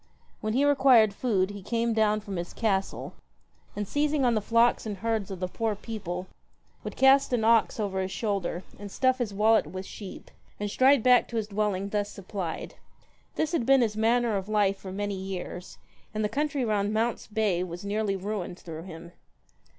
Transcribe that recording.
When he required food, he came down from his castle, and seizing on the flocks and herds of the poor people, would cast an ox over his shoulder and stuff his wallet with sheep, and stride back to his dwelling thus supplied. This had been his manner of life for many years, and the country round Mount's Bay was nearly ruined through him.